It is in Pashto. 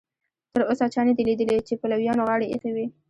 تر اوسه چا نه دي لیدلي چې پلویانو غاړه ایښې وي.